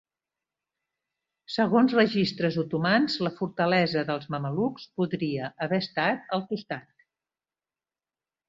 Segons registres otomans, la fortalesa dels mamelucs podria haver estat al costat.